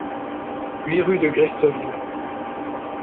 huit rue de Guestreville